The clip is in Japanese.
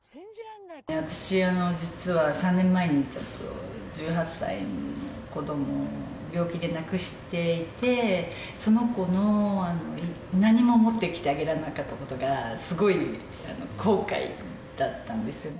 私、実は３年前にちょっと１８歳の子どもを病気で亡くしていて、その子の、何も持ってきてあげられなかったことが、すごい後悔だったんですよね。